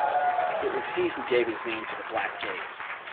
It was he who gave his name to the Black Gate.